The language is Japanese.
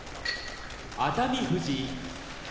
熱海富士